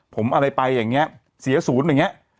ผมอะไรไปอย่างเงี้ยเสียสวนอย่างเงี้ย